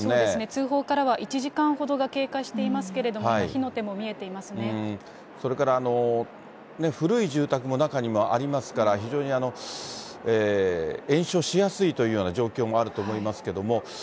通報からは１時間ほどが経過していますけれども、それから古い住宅も中にはありますから、非常に延焼しやすいというような状況もあると思いますけども。